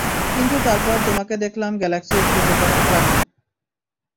কিন্তু তারপর তোমাকে দেখলাম, গ্যালাক্সির দ্রুততম প্রাণী।